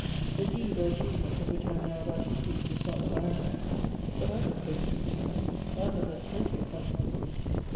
The deed, or achievement, of which I am now about to speak is not the Marriage Act; for that is cohete enough: that has had plenty of consequences.